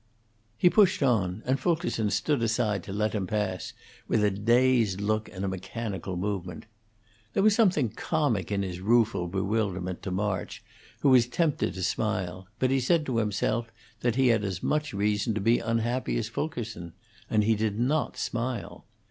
He pushed on, and Fulkerson stood aside to let him pass, with a dazed look and a mechanical movement. There was something comic in his rueful bewilderment to March, who was tempted to smile, but he said to himself that he had as much reason to be unhappy as Fulkerson, and he did not smile.